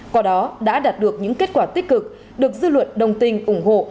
qua đó đã đạt được những kết quả tích cực được dư luận đồng tình ủng hộ